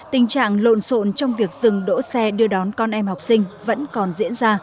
tình trạng lộn xộn trong việc dừng đỗ xe đưa đón con em học sinh vẫn còn diễn ra